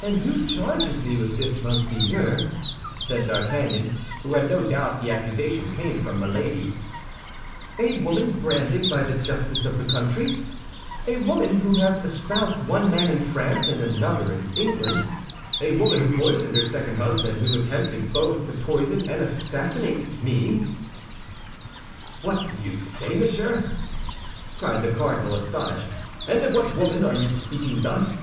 "And who charges me with this, monseigneur?" said D'Artagnan, who had no doubt the accusation came from Milady, "a woman branded by the justice of the country; a woman who has espoused one man in France and another in England; a woman who poisoned her second husband and who attempted both to poison and assassinate me!" "What do you say, monsieur?" cried the cardinal, astonished; "and of what woman are you speaking thus?"